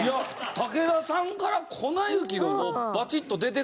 武田さんから『粉雪』がバチッと出てくるのが。